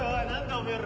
おめえら。